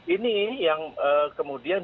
ini yang kemudian